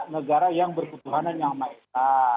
negara yang berkebutuhanan yang mahal